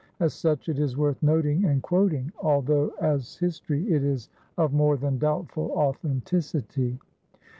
As such it is worth noting and quoting, although as history it is of more than doubtful authenticity.